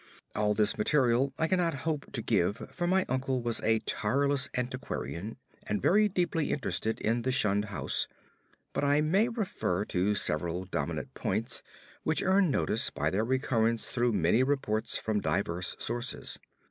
All of this material I cannot hope to give, for my uncle was a tireless antiquarian and very deeply interested in the shunned house; but I may refer to several dominant points which earn notice by their recurrence through many reports from diverse sources.